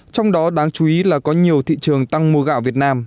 trong đó đáng chú ý là có nhiều thị trường tăng mua gạo việt nam